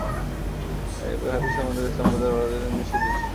তাঁর বই "হাদিসের মাধ্যমে ইসলাম বোঝার" বইটি ভারতে নিষিদ্ধ ছিল।